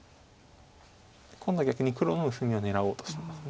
今度は逆に黒の薄みを狙おうとしてます。